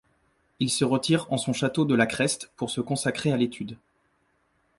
Il se retire en son château de La Creste pour se consacrer à l'étude.